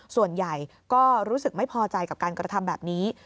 ส่วนใหญ่ก็รู้สึกไม่พอใจกับการกระทำแบบนี้